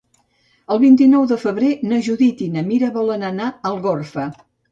El vint-i-nou de febrer na Judit i na Mira volen anar a Algorfa.